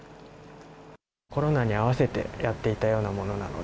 コロナに合わせてやっていたようなものなので。